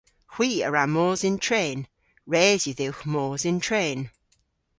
Hwi a wra mos yn tren. Res yw dhywgh mos yn tren.